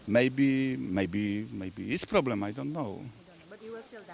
mungkin mungkin mungkin ada masalah saya tidak tahu